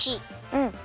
うん。